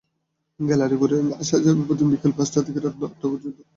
Gallery ঘুরে আসা যাবে প্রতিদিন বিকেল পাঁচটা থেকে রাত আটটা পর্যন্ত।